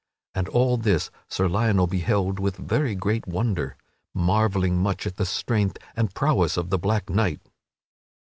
And all this Sir Lionel beheld with very great wonder, marvelling much at the strength and prowess of that black knight.